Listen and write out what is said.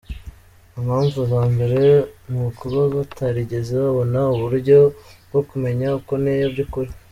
Impamvu ya mbere ni ukuba batarigeze babona uburyo bwo kumenya uko nteye, by’ukuri.